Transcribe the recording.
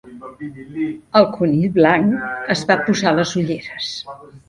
El Conill Blanc es va posar les ulleres.